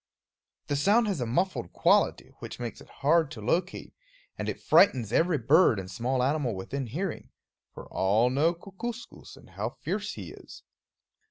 The sound has a muffled quality which makes it hard to locate, and it frightens every bird and small animal within hearing; for all know Kookooskoos, and how fierce he is.